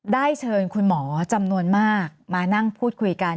ได้เชิญคุณหมอจำนวนมากมานั่งพูดคุยกัน